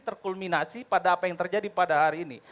terkulminasi pada apa yang terjadi pada hari ini